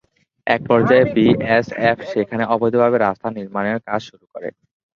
একপর্যায়ে বিএসএফ সেখানে অবৈধভাবে রাস্তা নির্মাণের কাজ শুরু করে।